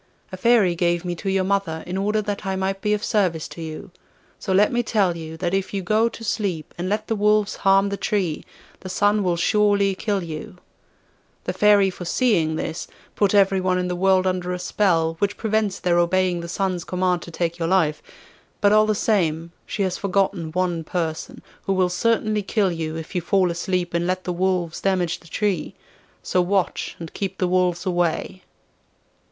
A Fairy gave me to your mother in order that I might be of service to you; so let me tell you, that if you go to sleep and let the wolves harm the tree, the Sun will surely kill you. The Fairy, foreseeing this, put everyone in the world under a spell, which prevents their obeying the Sun's command to take your life. But all the same, she has forgotten one person, who will certainly kill you if you fall asleep and let the wolves damage the tree. So watch and keep the wolves away.